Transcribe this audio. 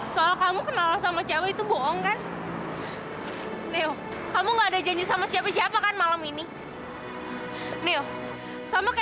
sampai jumpa di video selanjutnya